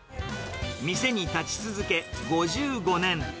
店に立ち続け５５年。